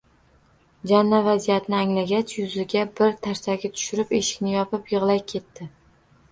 Jana vaziyatni anglagach, yuzimga bir tarsaki tushirib, eshikni yopib yig‘lay ketdi